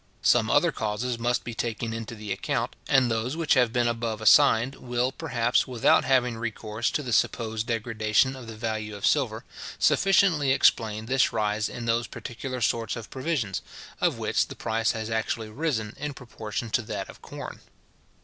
Some other causes must be taken into the account; and those which have been above assigned, will, perhaps, without having recourse to the supposed degradation of the value of silver, sufficiently explain this rise in those particular sorts of provisions, of which the price has actually risen in proportion to that of corn.